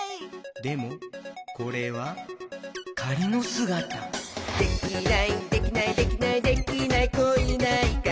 でもこれはかりのすがた「できないできないできないできない子いないか」